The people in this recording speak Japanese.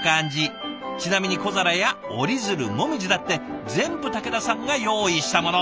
ちなみに小皿や折り鶴紅葉だって全部竹田さんが用意したもの。